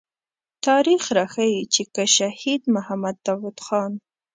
تاريخ راښيي چې که شهيد محمد داود خان.